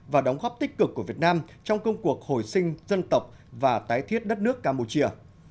và đóng góp tích cực của việt nam trong công cuộc hồi sinh dân tộc và tái thiết đất nước campuchia